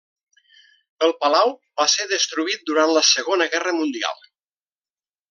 El palau va ser destruït durant la Segona Guerra Mundial.